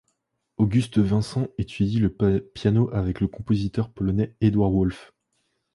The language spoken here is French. Auguste Vincent étudie le piano avec le compositeur polonais Édouard Wolff.